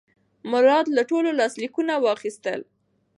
مراد له ټولو لاسلیکونه واخیستل.